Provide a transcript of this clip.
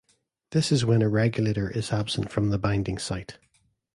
This is when a regulator is absent from the binding site.